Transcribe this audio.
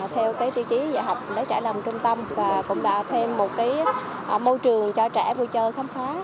theo cái tiêu chí dạy học nó trải lòng trung tâm và cũng là thêm một cái môi trường cho trẻ vui chơi khám phá